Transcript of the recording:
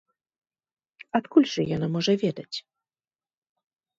Адкуль жа яна можа ведаць?